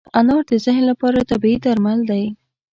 انار د ذهن لپاره طبیعي درمل دی.